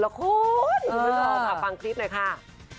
คุณผู้ชมค่ะฟังคลิปหน่อยค่ะ